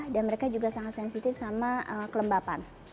dan mereka juga sangat sensitif sama kelembapan